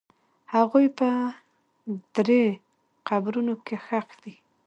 هغوی په درې قبرونو کې ښخ دي.